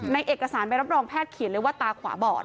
เอกสารใบรับรองแพทย์เขียนเลยว่าตาขวาบอด